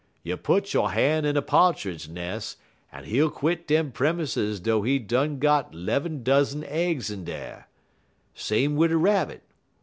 "You put yo' han' in a pa'tridge nes', en he'll quit dem premises dough he done got 'lev'm dozen aigs in dar. Same wid Rabbit.